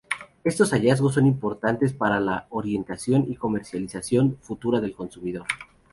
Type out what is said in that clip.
Estos hallazgos son importantes para la orientación y comercialización futura del consumidor.